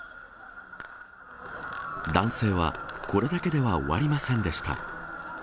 男性はこれだけでは終わりませんでした。